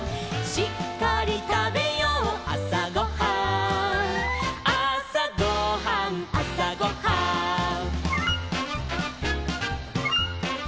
「しっかりたべようあさごはん」「あさごはんあさごはん」